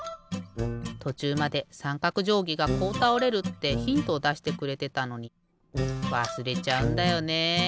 とちゅうまでさんかくじょうぎがこうたおれるってヒントをだしてくれてたのにわすれちゃうんだよね。